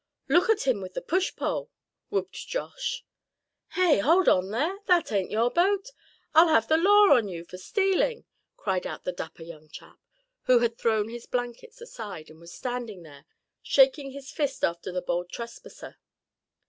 "Look at him with the push pole!" whooped Josh. "Hey! hold on there! That ain't your boat. I'll have the law on you for stealing!" cried out the dapper young chap, who had thrown his blankets aside, and was standing there, shaking his fist after the bold trespasser.